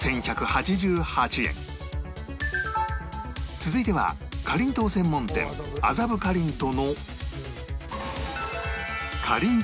続いてはかりんとう専門店麻布かりんとの